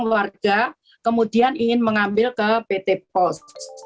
keluarga kemudian ingin mengambil ke pt pos